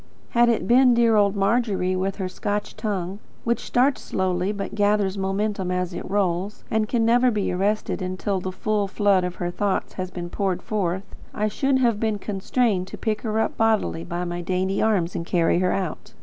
Had it been dear old Margery with her Scotch tongue, which starts slowly, but gathers momentum as it rolls, and can never be arrested until the full flood of her thought has been poured forth, I should have been constrained to pick her up bodily in my dainty arms and carry her out.